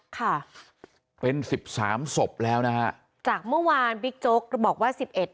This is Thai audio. ค่ะเป็นสิบสามศพแล้วนะฮะจากเมื่อวานบิ๊กโจ๊กบอกว่าสิบเอ็ด